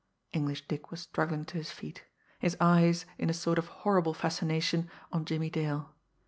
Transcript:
English Dick was struggling to his feet; his eyes, in a sort of horrible fascination, on Jimmie Dale.